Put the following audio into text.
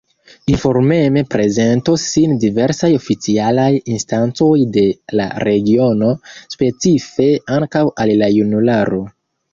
Informeme prezentos sin diversaj oficialaj instancoj de la regiono, specife ankaŭ al la junularo.